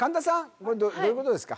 これどういうことですか？